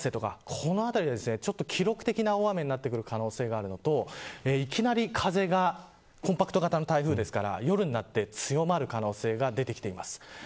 この辺りで記録的な大雨になってくる可能性があるのといきなり風がコンパクト型の台風ですから夜になって強まる可能性が出てきています。